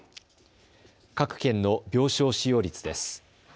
各県の病床使用率です。